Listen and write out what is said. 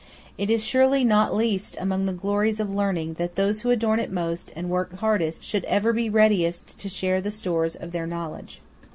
It is surely not least among the glories of learning, that those who adorn it most and work hardest should ever be readiest to share the stores of their knowledge.